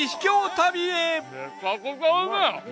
めちゃくちゃうめえ！